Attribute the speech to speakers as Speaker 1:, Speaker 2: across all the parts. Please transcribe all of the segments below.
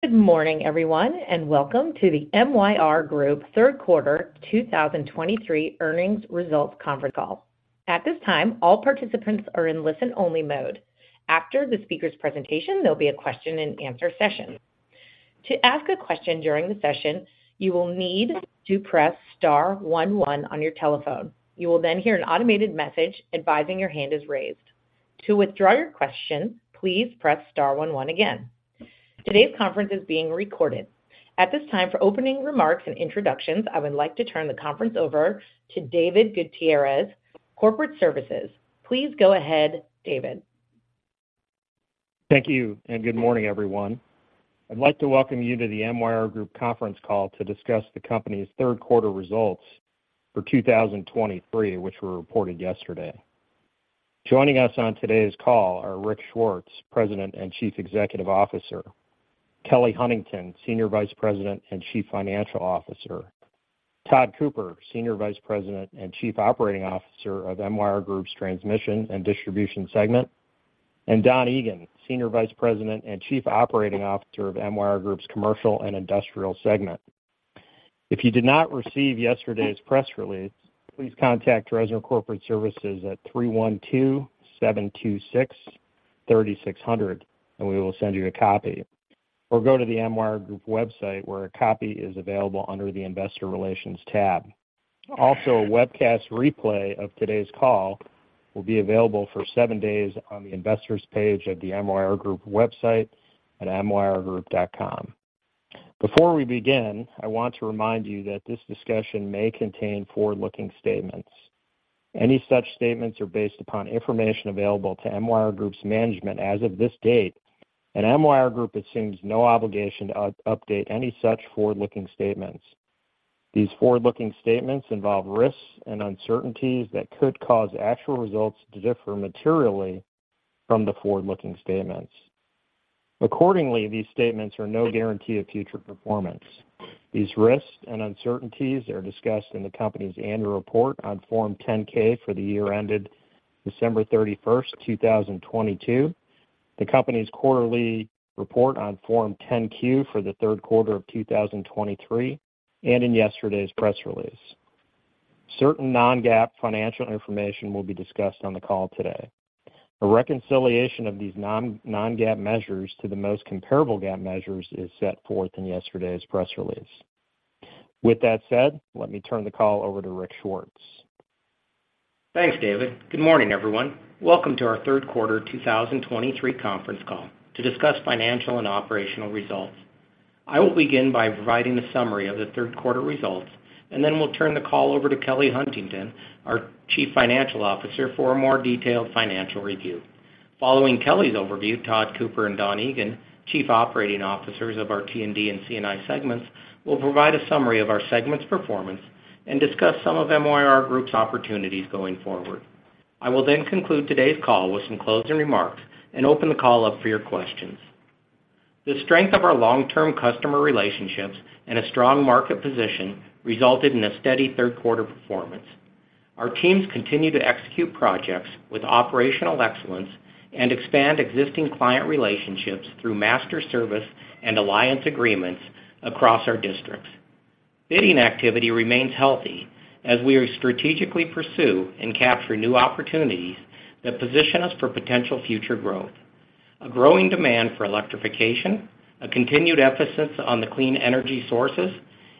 Speaker 1: Good morning, everyone, and welcome to the MYR Group Third Quarter 2023 Earnings Results Conference Call. At this time, all participants are in listen-only mode. After the speaker's presentation, there'll be a question-and-answer session. To ask a question during the session, you will need to press star one, one on your telephone. You will then hear an automated message advising your hand is raised. To withdraw your question, please press star one, one again. Today's conference is being recorded. At this time, for opening remarks and introductions, I would like to turn the conference over to David Gutierrez, Corporate Services. Please go ahead, David.
Speaker 2: Thank you, and good morning, everyone. I'd like to welcome you to the MYR Group Conference Call to discuss the company's third quarter results for 2023, which were reported yesterday. Joining us on today's call are Rick Swartz, President and Chief Executive Officer, Kelly Huntington, Senior Vice President and Chief Financial Officer, Tod Cooper, Senior Vice President and Chief Operating Officer of MYR Group's Transmission and Distribution segment, and Don Egan, Senior Vice President and Chief Operating Officer of MYR Group's Commercial and Industrial segment. If you did not receive yesterday's press release, please contact Dresner Corporate Services at 312-726-3600, and we will send you a copy, or go to the MYR Group website, where a copy is available under the Investor Relations tab. Also, a webcast replay of today's call will be available for seven days on the Investors page of the MYR Group website at myrgroup.com. Before we begin, I want to remind you that this discussion may contain forward-looking statements. Any such statements are based upon information available to MYR Group's management as of this date, and MYR Group assumes no obligation to update any such forward-looking statements. These forward-looking statements involve risks and uncertainties that could cause actual results to differ materially from the forward-looking statements. Accordingly, these statements are no guarantee of future performance. These risks and uncertainties are discussed in the company's annual report on Form 10-K for the year ended December 31st, 2022, the company's quarterly report on Form 10-Q for the third quarter of 2023, and in yesterday's press release. Certain non-GAAP financial information will be discussed on the call today. A reconciliation of these non-GAAP measures to the most comparable GAAP measures is set forth in yesterday's press release. With that said, let me turn the call over to Rick Swartz.
Speaker 3: Thanks, David. Good morning, everyone. Welcome to our third quarter 2023 conference call to discuss financial and operational results. I will begin by providing a summary of the third quarter results, and then we'll turn the call over to Kelly Huntington, our Chief Financial Officer, for a more detailed financial review. Following Kelly's overview, Tod Cooper and Don Egan, Chief Operating Officers of our T&D and C&I segments, will provide a summary of our segment's performance and discuss some of MYR Group's opportunities going forward. I will then conclude today's call with some closing remarks and open the call up for your questions. The strength of our long-term customer relationships and a strong market position resulted in a steady third quarter performance. Our teams continue to execute projects with operational excellence and expand existing client relationships through master service and alliance agreements across our districts. Bidding activity remains healthy as we strategically pursue and capture new opportunities that position us for potential future growth. A growing demand for electrification, a continued emphasis on the clean energy sources,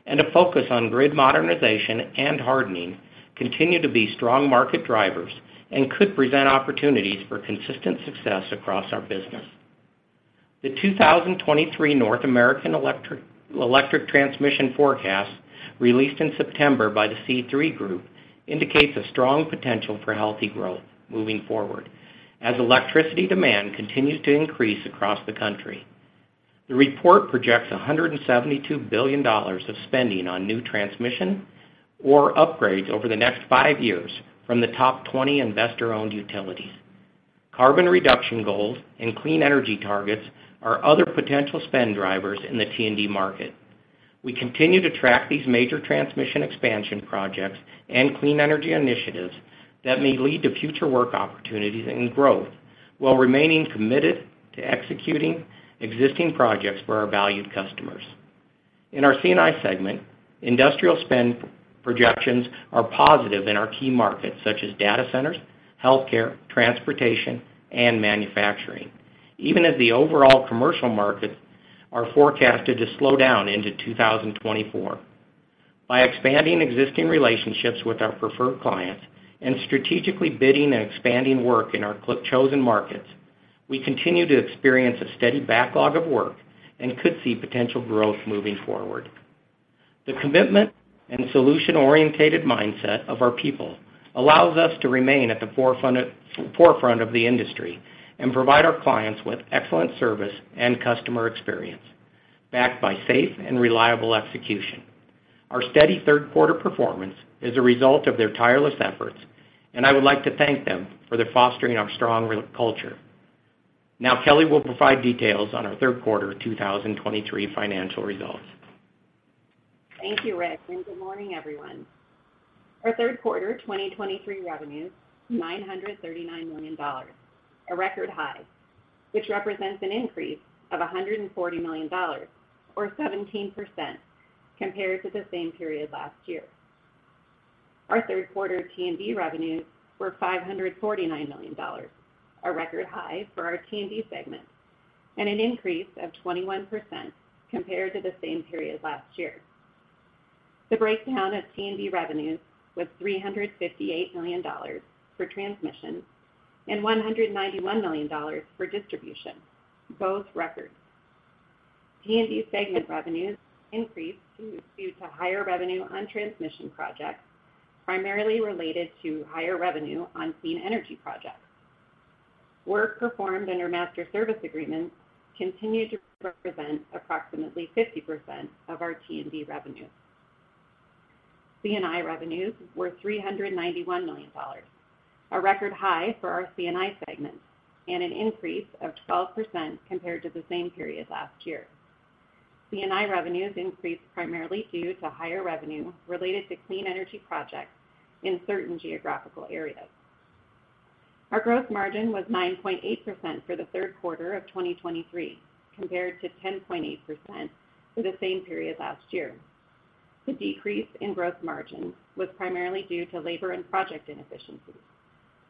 Speaker 3: and a focus on grid modernization and hardening continue to be strong market drivers and could present opportunities for consistent success across our business. The 2023 North American Electric Transmission Forecast, released in September by the C3 Group, indicates a strong potential for healthy growth moving forward as electricity demand continues to increase across the country. The report projects $172 billion of spending on new transmission or upgrades over the next five years from the top 20 investor-owned utilities. Carbon reduction goals and clean energy targets are other potential spend drivers in the T&D market. We continue to track these major transmission expansion projects and clean energy initiatives that may lead to future work opportunities and growth while remaining committed to executing existing projects for our valued customers. In our C&I segment, industrial spend projections are positive in our key markets, such as data centers, healthcare, transportation, and manufacturing, even as the overall commercial markets are forecasted to slow down into 2024. By expanding existing relationships with our preferred clients and strategically bidding and expanding work in our chosen markets, we continue to experience a steady backlog of work and could see potential growth moving forward. The commitment and solution-oriented mindset of our people allows us to remain at the forefront of the industry and provide our clients with excellent service and customer experience, backed by safe and reliable execution. Our steady third quarter performance is a result of their tireless efforts, and I would like to thank them for their fostering our strong culture. Now, Kelly will provide details on our third quarter 2023 financial results.
Speaker 4: Thank you, Rick, and good morning, everyone. Our third quarter 2023 revenue, $939 million, a record high, which represents an increase of $140 million or 17% compared to the same period last year. Our third quarter T&D revenues were $549 million, a record high for our T&D segment, and an increase of 21% compared to the same period last year. The breakdown of T&D revenues was $358 million for transmission and $191 million for distribution, both records. T&D segment revenues increased due to higher revenue on transmission projects, primarily related to higher revenue on clean energy projects. Work performed under master service agreements continued to represent approximately 50% of our T&D revenues. C&I revenues were $391 million, a record high for our C&I segment, and an increase of 12% compared to the same period last year. C&I revenues increased primarily due to higher revenue related to clean energy projects in certain geographical areas. Our gross margin was 9.8% for the third quarter of 2023, compared to 10.8% for the same period last year. The decrease in gross margin was primarily due to labor and project inefficiencies,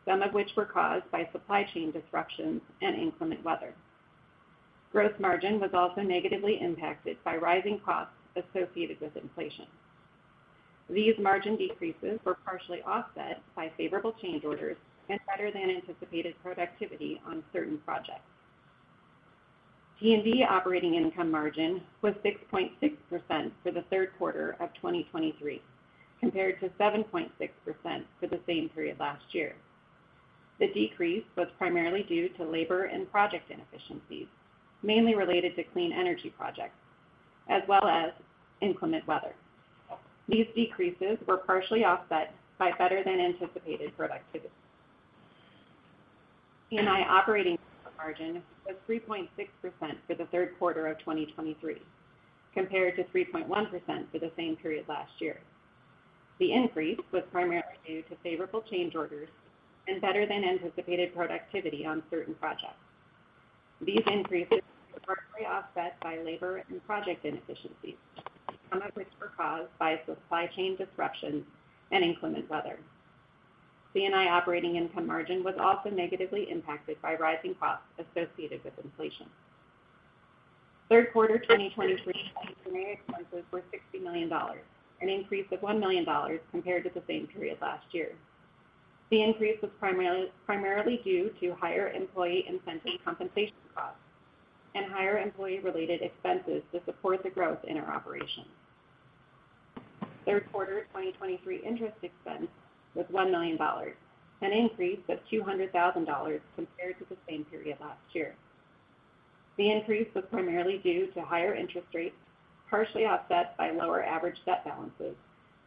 Speaker 4: some of which were caused by supply chain disruptions and inclement weather. Gross margin was also negatively impacted by rising costs associated with inflation. These margin decreases were partially offset by favorable change orders and better-than-anticipated productivity on certain projects. T&D operating income margin was 6.6% for the third quarter of 2023, compared to 7.6% for the same period last year. The decrease was primarily due to labor and project inefficiencies, mainly related to clean energy projects, as well as inclement weather. These decreases were partially offset by better-than-anticipated productivity. C&I operating margin was 3.6% for the third quarter of 2023, compared to 3.1% for the same period last year. The increase was primarily due to favorable change orders and better-than-anticipated productivity on certain projects. These increases were partially offset by labor and project inefficiencies, some of which were caused by supply chain disruptions and inclement weather. C&I operating income margin was also negatively impacted by rising costs associated with inflation. Third quarter 2023 administrative expenses were $60 million, an increase of $1 million compared to the same period last year. The increase was primarily due to higher employee incentive compensation costs and higher employee-related expenses to support the growth in our operations. Third quarter 2023 interest expense was $1 million, an increase of $200,000 compared to the same period last year. The increase was primarily due to higher interest rates, partially offset by lower average debt balances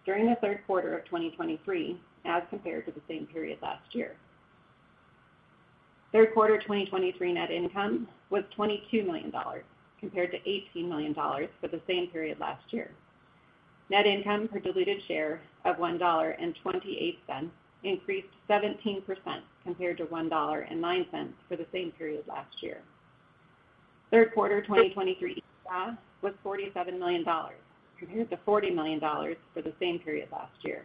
Speaker 4: during the third quarter of 2023 as compared to the same period last year. Third quarter 2023 net income was $22 million, compared to $18 million for the same period last year. Net income per diluted share of $1.28 increased 17% compared to $1.09 for the same period last year. Third quarter 2023 was $47 million, compared to $40 million for the same period last year.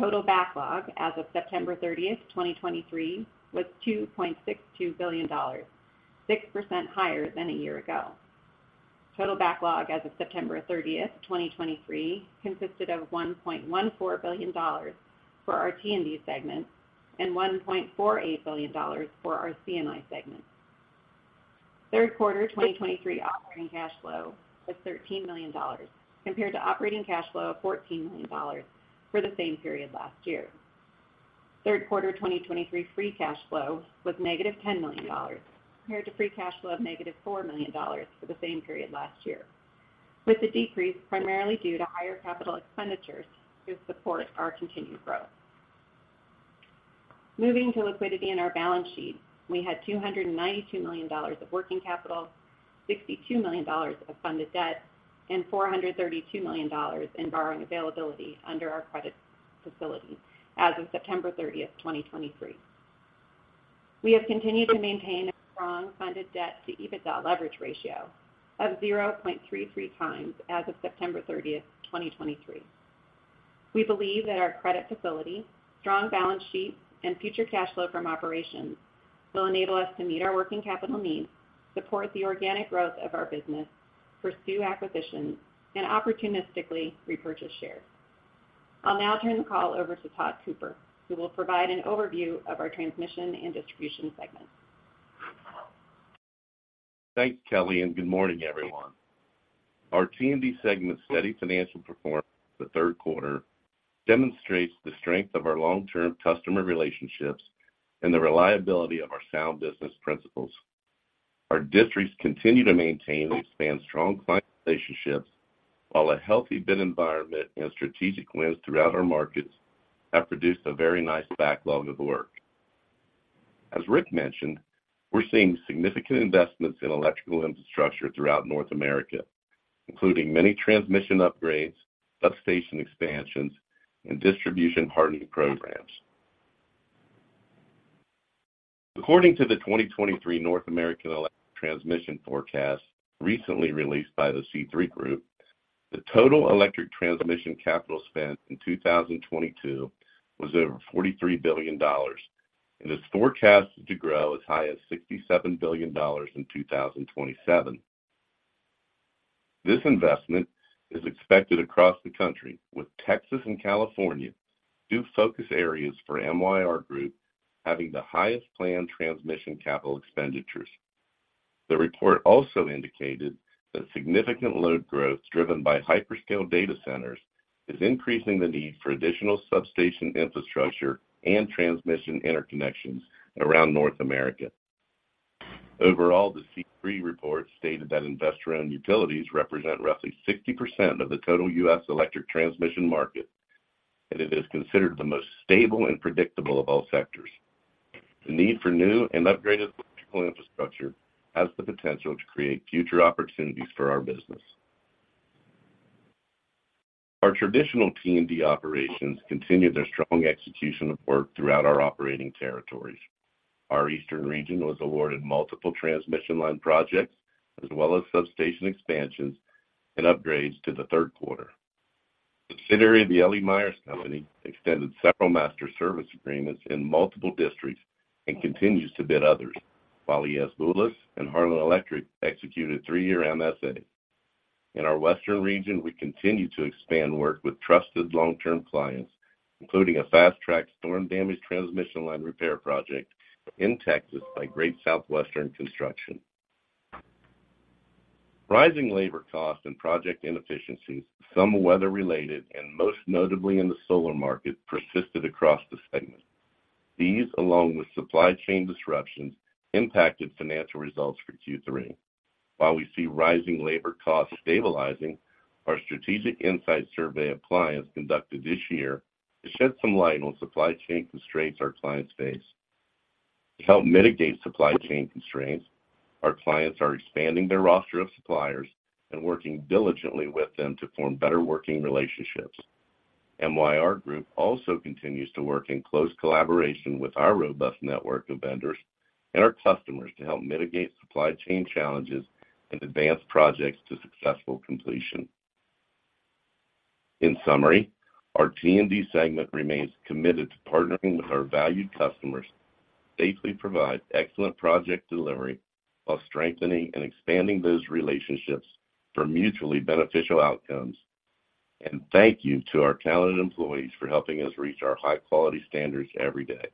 Speaker 4: Total backlog as of September 30, 2023, was $2.62 billion, 6% higher than a year ago. Total backlog as of September 30, 2023, consisted of $1.14 billion for our T&D segment and $1.48 billion for our C&I segment. Third quarter 2023 operating cash flow was $13 million, compared to operating cash flow of $14 million for the same period last year. Third quarter 2023 free cash flow was -$10 million, compared to free cash flow of -$4 million for the same period last year, with the decrease primarily due to higher capital expenditures to support our continued growth. Moving to liquidity in our balance sheet, we had $292 million of working capital, $62 million of funded debt, and $432 million in borrowing availability under our credit facility as of September 30th, 2023. We have continued to maintain a strong funded debt to EBITDA leverage ratio of 0.33x as of September 30th, 2023. We believe that our credit facility, strong balance sheet, and future cash flow from operations will enable us to meet our working capital needs, support the organic growth of our business, pursue acquisitions, and opportunistically repurchase shares. I'll now turn the call over to Tod Cooper, who will provide an overview of our transmission and distribution segments.
Speaker 5: Thanks, Kelly, and good morning, everyone. Our T&D segment's steady financial performance in the third quarter demonstrates the strength of our long-term customer relationships and the reliability of our sound business principles. Our districts continue to maintain and expand strong client relationships, while a healthy bid environment and strategic wins throughout our markets have produced a very nice backlog of work. As Rick mentioned, we're seeing significant investments in electrical infrastructure throughout North America, including many transmission upgrades, substation expansions, and distribution hardening programs. According to the 2023 North American Electric Transmission Forecast, recently released by the C3 Group, the total electric transmission capital spent in 2022 was over $43 billion, and is forecasted to grow as high as $67 billion in 2027. This investment is expected across the country, with Texas and California, two focus areas for MYR Group, having the highest planned transmission capital expenditures. The report also indicated that significant load growth, driven by hyperscale data centers, is increasing the need for additional substation infrastructure and transmission interconnections around North America. Overall, the C3 report stated that investor-owned utilities represent roughly 60% of the total U.S. electric transmission market, and it is considered the most stable and predictable of all sectors. The need for new and upgraded electrical infrastructure has the potential to create future opportunities for our business. Our traditional T&D operations continued their strong execution of work throughout our operating territories. Our eastern region was awarded multiple transmission line projects, as well as substation expansions and upgrades to the third quarter. The L.E. Myers Company extended several master service agreements in multiple districts and continues to bid others, while E.S. Boulos and Harlan Electric executed a three-year MSA. In our western region, we continue to expand work with trusted long-term clients, including a fast-track storm damage transmission line repair project in Texas by Great Southwestern Construction. Rising labor costs and project inefficiencies, some weather-related, and most notably in the solar market, persisted across the segment. These, along with supply chain disruptions, impacted financial results for Q3. While we see rising labor costs stabilizing, our Strategic Insight Survey of clients conducted this year, to shed some light on supply chain constraints our clients face. To help mitigate supply chain constraints, our clients are expanding their roster of suppliers and working diligently with them to form better working relationships. MYR Group also continues to work in close collaboration with our robust network of vendors and our customers to help mitigate supply chain challenges and advance projects to successful completion. In summary, our T&D segment remains committed to partnering with our valued customers to safely provide excellent project delivery while strengthening and expanding those relationships for mutually beneficial outcomes. And thank you to our talented employees for helping us reach our high-quality standards every day.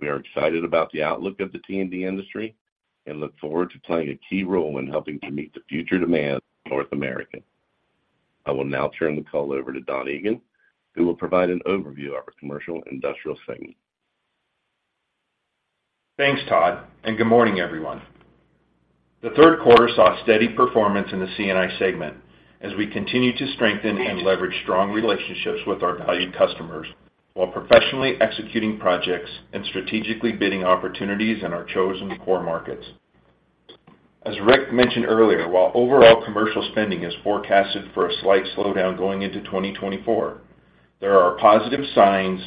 Speaker 5: We are excited about the outlook of the T&D industry and look forward to playing a key role in helping to meet the future demand of North America. I will now turn the call over to Don Egan, who will provide an overview of our commercial and industrial segment.
Speaker 6: Thanks, Tod, and good morning, everyone. The third quarter saw steady performance in the C&I segment as we continued to strengthen and leverage strong relationships with our valued customers, while professionally executing projects and strategically bidding opportunities in our chosen core markets. As Rick mentioned earlier, while overall commercial spending is forecasted for a slight slowdown going into 2024, there are positive signs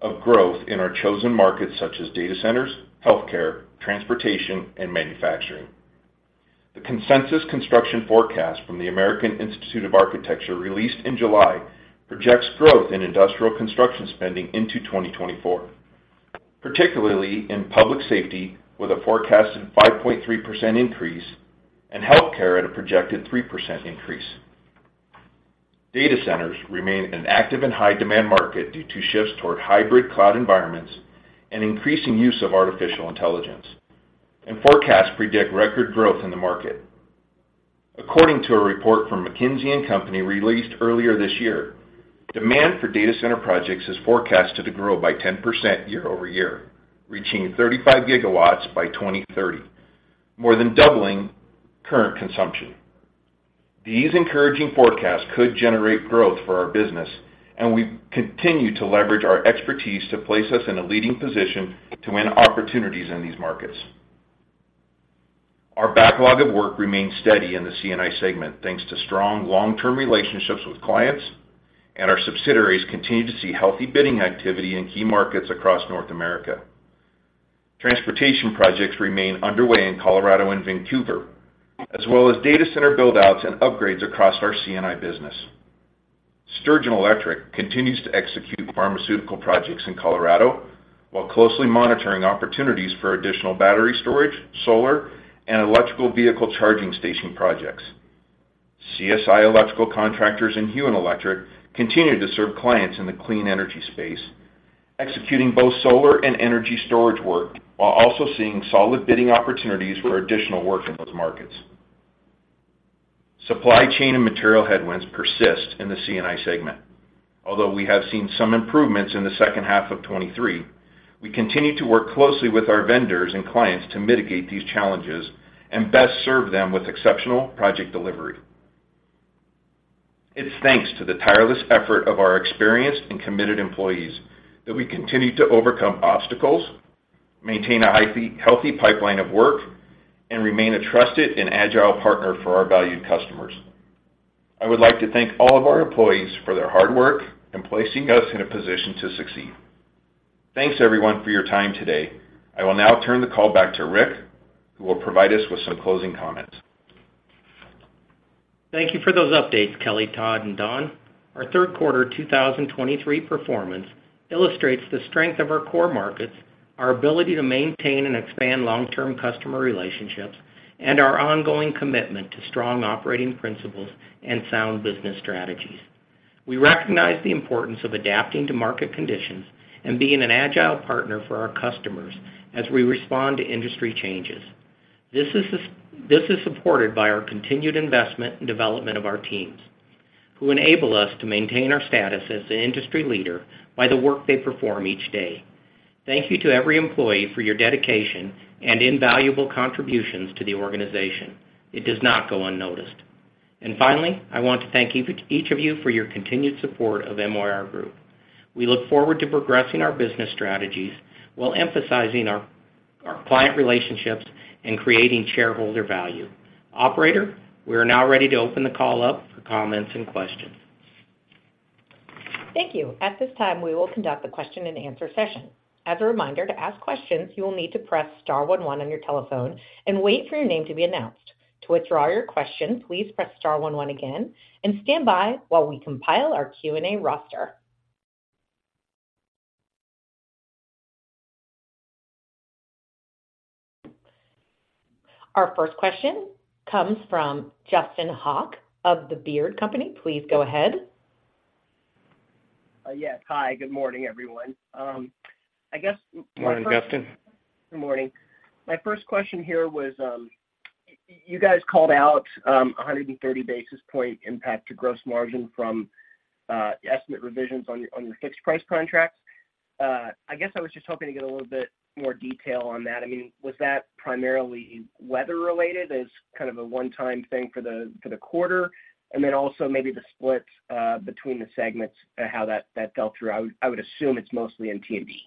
Speaker 6: of growth in our chosen markets, such as data centers, healthcare, transportation, and manufacturing. The Consensus Construction Forecast from the American Institute of Architects, released in July, projects growth in industrial construction spending into 2024, particularly in public safety, with a forecasted 5.3% increase, and healthcare at a projected 3% increase. Data centers remain an active and high-demand market due to shifts toward hybrid cloud environments and increasing use of artificial intelligence, and forecasts predict record growth in the market. According to a report from McKinsey & Company, released earlier this year, demand for data center projects is forecasted to grow by 10% year-over-year, reaching 35 GW by 2030, more than doubling current consumption. These encouraging forecasts could generate growth for our business, and we continue to leverage our expertise to place us in a leading position to win opportunities in these markets. Our backlog of work remains steady in the C&I segment, thanks to strong long-term relationships with clients, and our subsidiaries continue to see healthy bidding activity in key markets across North America. Transportation projects remain underway in Colorado and Vancouver, as well as data center build-outs and upgrades across our C&I business. Sturgeon Electric continues to execute pharmaceutical projects in Colorado while closely monitoring opportunities for additional battery storage, solar, and electrical vehicle charging station projects. CSI Electrical Contractors and Huen Electric continue to serve clients in the clean energy space, executing both solar and energy storage work while also seeing solid bidding opportunities for additional work in those markets. Supply chain and material headwinds persist in the C&I segment. Although we have seen some improvements in the second half of 2023, we continue to work closely with our vendors and clients to mitigate these challenges and best serve them with exceptional project delivery. It's thanks to the tireless effort of our experienced and committed employees that we continue to overcome obstacles, maintain a healthy pipeline of work, and remain a trusted and agile partner for our valued customers. I would like to thank all of our employees for their hard work in placing us in a position to succeed. Thanks, everyone, for your time today. I will now turn the call back to Rick, who will provide us with some closing comments.
Speaker 3: Thank you for those updates, Kelly, Tod, and Don. Our third quarter 2023 performance illustrates the strength of our core markets, our ability to maintain and expand long-term customer relationships, and our ongoing commitment to strong operating principles and sound business strategies. We recognize the importance of adapting to market conditions and being an agile partner for our customers as we respond to industry changes. This is supported by our continued investment and development of our teams, who enable us to maintain our status as an industry leader by the work they perform each day. Thank you to every employee for your dedication and invaluable contributions to the organization. It does not go unnoticed. Finally, I want to thank each of you for your continued support of MYR Group. We look forward to progressing our business strategies while emphasizing our client relationships and creating shareholder value. Operator, we are now ready to open the call up for comments and questions.
Speaker 1: Thank you. At this time, we will conduct a question-and-answer session. As a reminder, to ask questions, you will need to press star one one on your telephone and wait for your name to be announced. To withdraw your question, please press star one one again and stand by while we compile our Q&A roster. Our first question comes from Justin Hauke of the Baird Company. Please go ahead.
Speaker 7: Yes. Hi, good morning, everyone. I guess-
Speaker 3: Morning, Justin.
Speaker 7: Good morning. My first question here was, you guys called out a 130 basis point impact to gross margin from estimate revisions on your fixed-price contracts. I guess I was just hoping to get a little bit more detail on that. I mean, was that primarily weather related as kind of a one-time thing for the quarter? And then also maybe the split between the segments and how that fell through. I would assume it's mostly in T&D.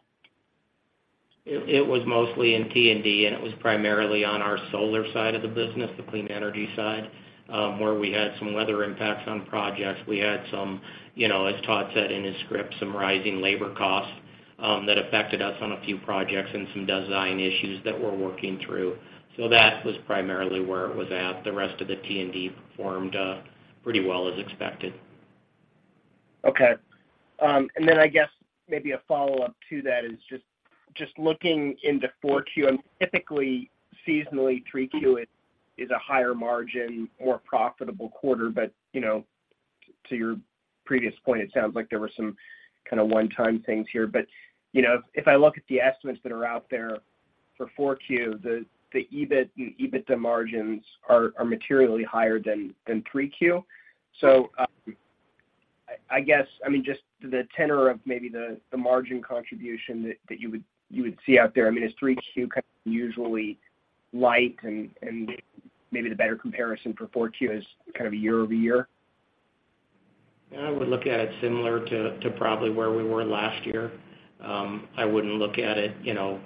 Speaker 3: It was mostly in T&D, and it was primarily on our solar side of the business, the clean energy side, where we had some weather impacts on projects. We had some, you know, as Tod said in his script, some rising labor costs, that affected us on a few projects and some design issues that we're working through. So that was primarily where it was at. The rest of the T&D performed, pretty well as expected.
Speaker 7: Okay. And then I guess maybe a follow-up to that is just, just looking into 4Q, and typically, seasonally, 3Q is, is a higher margin, more profitable quarter. But, you know, to your previous point, it sounds like there were some kind of one-time things here. But, you know, if I look at the estimates that are out there for 4Q, the, the EBIT and EBITDA margins are, are materially higher than, than 3Q. So, I, I guess, I mean, just the tenor of maybe the, the margin contribution that, that you would, you would see out there, I mean, is 3Q kind of usually light and, and maybe the better comparison for 4Q is kind of a year-over-year?
Speaker 3: I would look at it similar to probably where we were last year. I wouldn't look at it, you know,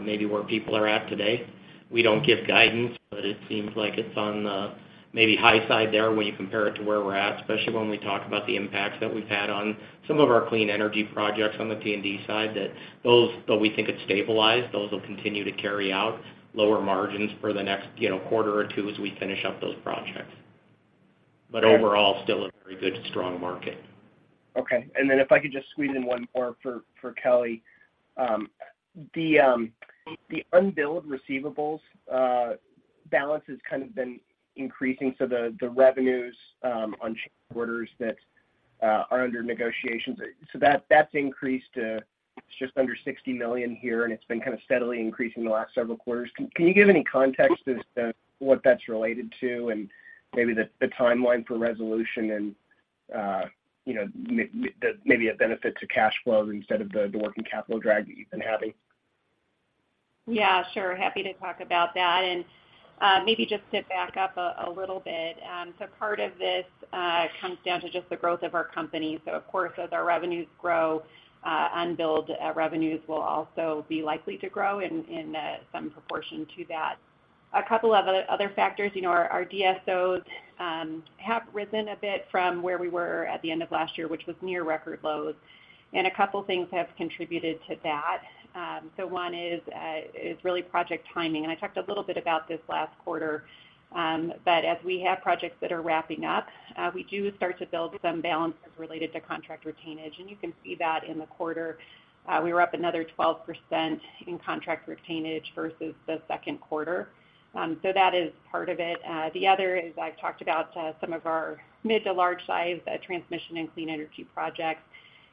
Speaker 3: maybe where people are at today. We don't give guidance, but it seems like it's on the maybe high side there when you compare it to where we're at, especially when we talk about the impacts that we've had on some of our clean energy projects on the T&D side, that those, though we think it's stabilized, those will continue to carry out lower margins for the next, you know, quarter or two as we finish up those projects.
Speaker 7: Okay.
Speaker 3: Overall, still a very good, strong market.
Speaker 7: Okay. And then if I could just squeeze in one more for Kelly. The unbilled receivables balance has kind of been increasing, so the revenues on orders that are under negotiations. So that's increased to just under $60 million here, and it's been kind of steadily increasing the last several quarters. Can you give any context as to what that's related to and maybe the timeline for resolution and, you know, maybe a benefit to cash flows instead of the working capital drag that you've been having?
Speaker 4: Yeah, sure. Happy to talk about that and maybe just sit back up a little bit. So part of this comes down to just the growth of our company. So of course, as our revenues grow, unbilled revenues will also be likely to grow in some proportion to that. A couple of other factors, you know, our DSOs have risen a bit from where we were at the end of last year, which was near record lows. And a couple things have contributed to that. So one is really project timing. And I talked a little bit about this last quarter, but as we have projects that are wrapping up, we do start to build some balances related to contract retainage, and you can see that in the quarter. We were up another 12% in contract retainage versus the second quarter. So that is part of it. The other is I've talked about some of our mid- to large-size transmission and clean energy projects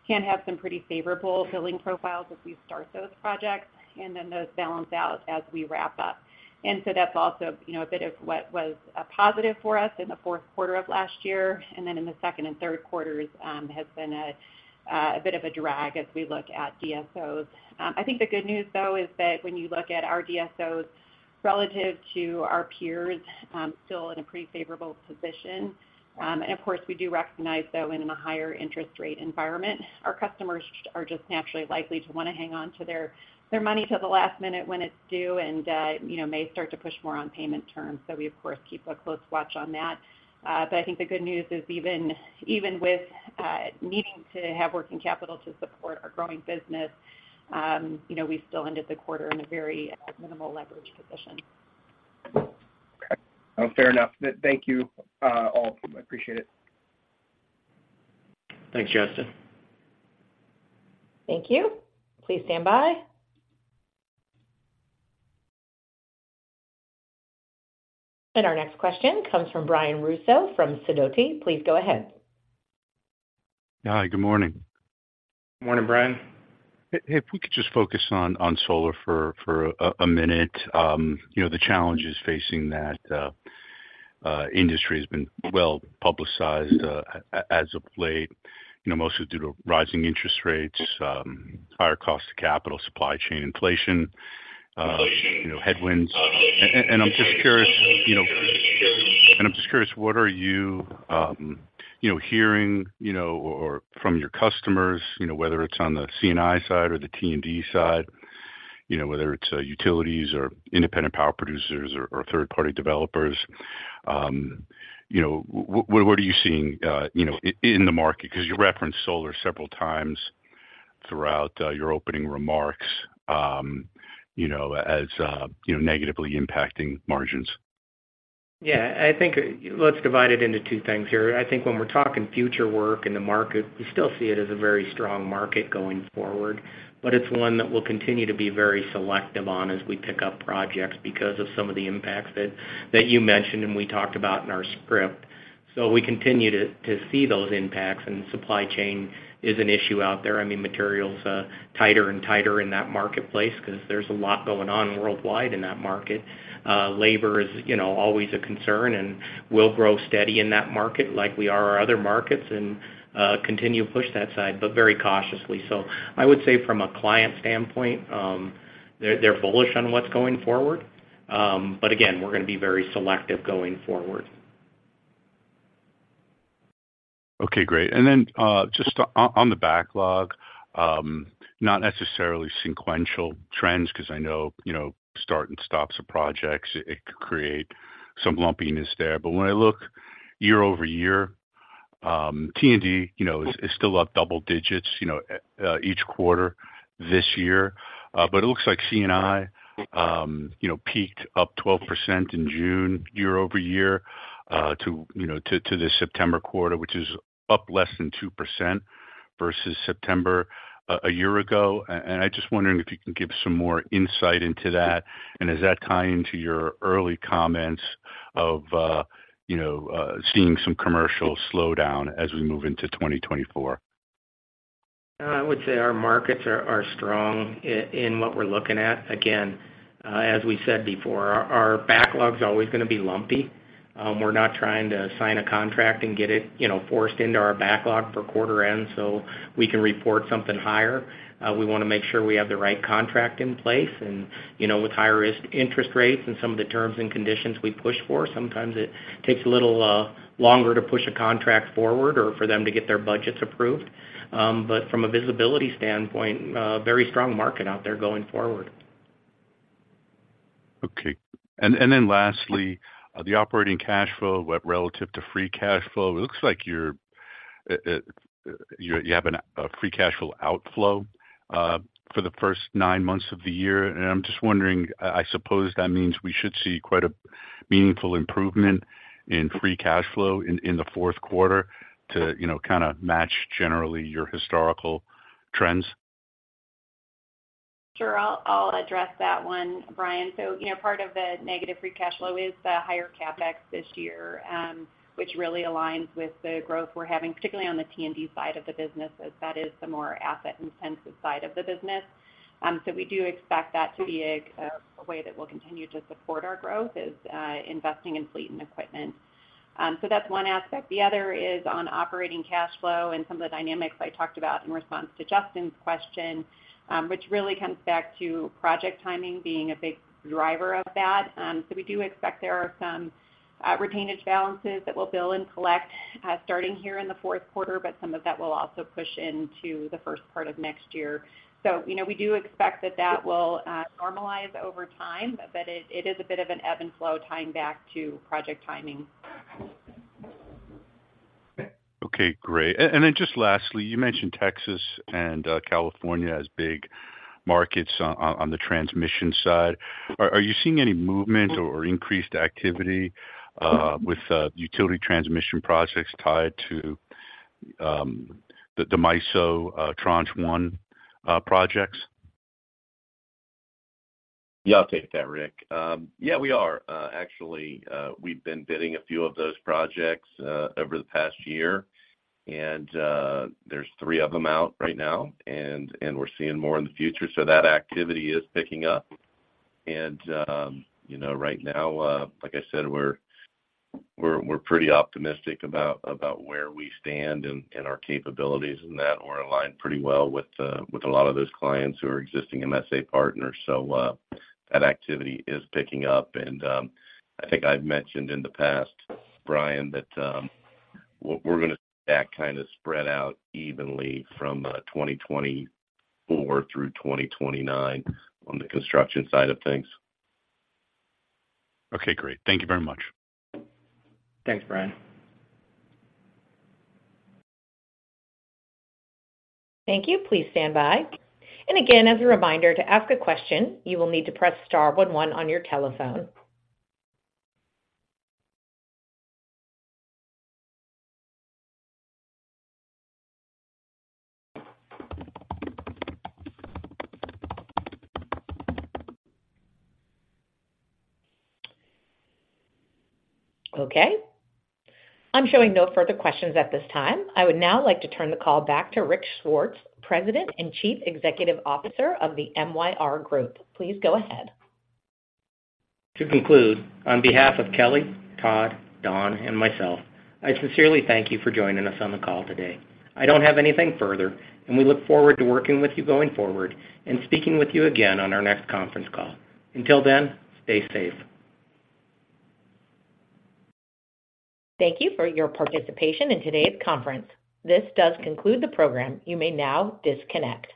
Speaker 4: can have some pretty favorable billing profiles as we start those projects, and then those balance out as we wrap up. And so that's also, you know, a bit of what was a positive for us in the fourth quarter of last year, and then in the second and third quarters has been a bit of a drag as we look at DSOs. I think the good news, though, is that when you look at our DSOs relative to our peers, still in a pretty favorable position. And of course, we do recognize, though, in a higher interest rate environment, our customers are just naturally likely to want to hang on to their, their money to the last minute when it's due and, you know, may start to push more on payment terms. So we, of course, keep a close watch on that. But I think the good news is, even, even with, needing to have working capital to support our growing business, you know, we still ended the quarter in a very minimal leverage position.
Speaker 7: Okay. Fair enough. Thank you, all. I appreciate it.
Speaker 3: Thanks, Justin.
Speaker 1: Thank you. Please stand by. Our next question comes from Brian Russo from Sidoti. Please go ahead.
Speaker 8: Hi, good morning.
Speaker 3: Morning, Brian.
Speaker 8: If we could just focus on, on solar for a minute. You know, the challenges facing that industry has been well-publicized, as of late, you know, mostly due to rising interest rates, higher costs of capital, supply chain inflation, you know, headwinds. And I'm just curious, you know... I'm just curious, what are you, you know, hearing, you know, or from your customers, you know, whether it's on the C&I side or the T&D side, you know, whether it's utilities or independent power producers or third-party developers, you know, what are you seeing, you know, in the market? Because you referenced solar several times throughout your opening remarks, you know, as, you know, negatively impacting margins.
Speaker 3: Yeah, I think let's divide it into two things here. I think when we're talking future work in the market, we still see it as a very strong market going forward, but it's one that we'll continue to be very selective on as we pick up projects because of some of the impacts that you mentioned, and we talked about in our script. So we continue to see those impacts, and supply chain is an issue out there. I mean, materials are tighter and tighter in that marketplace because there's a lot going on worldwide in that market. Labor is, you know, always a concern, and we'll grow steady in that market like we are our other markets and continue to push that side, but very cautiously. So I would say from a client standpoint, they're bullish on what's going forward. But again, we're going to be very selective going forward.
Speaker 8: Okay, great. And then, just on the backlog, not necessarily sequential trends, because I know, you know, start and stops of projects, it could create some lumpiness there. But when I look year-over-year, T&D, you know, is still up double digits, you know, each quarter this year. But it looks like C&I, you know, peaked up 12% in June, year-over-year, to the September quarter, which is up less than 2% versus September a year ago. And I just wondering if you can give some more insight into that, and does that tie into your early comments of, you know, seeing some commercial slowdown as we move into 2024?
Speaker 3: I would say our markets are strong in what we're looking at. Again, as we said before, our backlog is always going to be lumpy. We're not trying to sign a contract and get it, you know, forced into our backlog for quarter end so we can report something higher. We want to make sure we have the right contract in place and, you know, with higher risk interest rates and some of the terms and conditions we push for, sometimes it takes a little longer to push a contract forward or for them to get their budgets approved. But from a visibility standpoint, very strong market out there going forward.
Speaker 8: Okay. And then lastly, the operating cash flow went relative to free cash flow. It looks like you're, you have a free cash flow outflow for the first nine months of the year. And I'm just wondering, I suppose that means we should see quite a meaningful improvement in free cash flow in the fourth quarter to, you know, kind of match generally your historical trends?
Speaker 4: Sure. I'll address that one, Brian. So, you know, part of the negative free cash flow is the higher CapEx this year, which really aligns with the growth we're having, particularly on the T&D side of the business, as that is the more asset-intensive side of the business. So we do expect that to be a way that will continue to support our growth, is investing in fleet and equipment. So that's one aspect. The other is on operating cash flow and some of the dynamics I talked about in response to Justin's question, which really comes back to project timing being a big driver of that. So we do expect there are some retainage balances that we'll bill and collect starting here in the fourth quarter, but some of that will also push into the first part of next year. So, you know, we do expect that will normalize over time, but it is a bit of an ebb and flow tying back to project timing.
Speaker 8: Okay, great. And then just lastly, you mentioned Texas and California as big markets on the transmission side. Are you seeing any movement or increased activity with utility transmission projects tied to the MISO Tranche One projects?
Speaker 5: Yeah, I'll take that, Rick. Yeah, we are. Actually, we've been bidding a few of those projects over the past year, and there's three of them out right now, and we're seeing more in the future. So that activity is picking up. And, you know, right now, like I said, we're pretty optimistic about where we stand and our capabilities, and that we're aligned pretty well with a lot of those clients who are existing MSA partners. So, that activity is picking up. And, I think I've mentioned in the past, Brian, that what we're gonna see that kind of spread out evenly from 2024 through 2029 on the construction side of things.
Speaker 8: Okay, great. Thank you very much.
Speaker 3: Thanks, Brian.
Speaker 1: Thank you. Please stand by. Again, as a reminder, to ask a question, you will need to press star one one on your telephone. Okay, I'm showing no further questions at this time. I would now like to turn the call back to Rick Swartz, President and Chief Executive Officer of the MYR Group. Please go ahead.
Speaker 3: To conclude, on behalf of Kelly, Tod, Don, and myself, I sincerely thank you for joining us on the call today. I don't have anything further, and we look forward to working with you going forward and speaking with you again on our next conference call. Until then, stay safe.
Speaker 1: Thank you for your participation in today's conference. This does conclude the program. You may now disconnect.